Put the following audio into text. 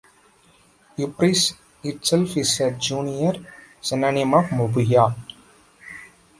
"Euprepis" itself is a junior synonym of "Mabuya".